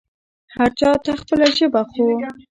هر چا ته خپله ژبه خو